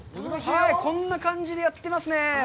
こんな感じでやってますね。